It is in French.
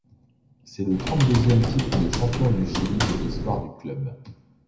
C'est le trente-deuxième titre de champion du Chili de l'histoire du club.